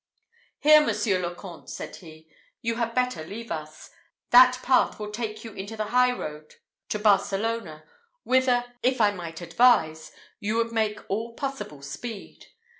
"Here, Monsieur le Comte," said he, "you had better leave us. That path will take you into the high road to Barcelona, whither, if I might advise, you would make all possible speed.